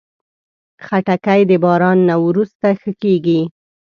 خټکی د باران نه وروسته ښه کېږي.